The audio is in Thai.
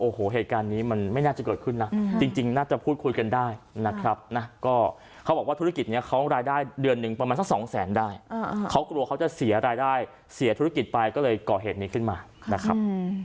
โอ้โหเหตุการณ์นี้มันไม่น่าจะเกิดขึ้นนะจริงน่าจะพูดคุยกันได้นะครับนะก็เขาบอกว่าธุรกิจนี้เขารายได้เดือนหนึ่งประมาณสักสองแสนได้เขากลัวเขาจะเสียรายได้เสียธุรกิจไปก็เลยก่อเหตุนี้ขึ้นมานะครับ